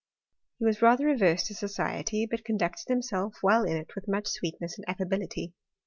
He was rather averse to society, but conducted himself whilft in it with much sweetness and affability.